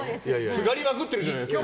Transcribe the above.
すがりまくってるじゃないですか。